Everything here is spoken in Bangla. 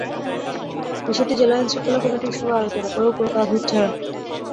বিষয়টি জেলা আইনশৃঙ্খলা কমিটির সভায় আলোচনা করেও কোনো কাজ হচ্ছে না।